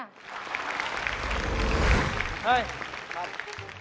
เฮ่ยอีกนานไหม